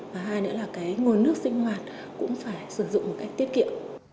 và hai nữa là cái nguồn nước sinh hoạt cũng phải sử dụng một cách tiết kiệm